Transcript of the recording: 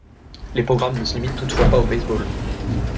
Les programmes ne se limitent toutefois pas au baseball.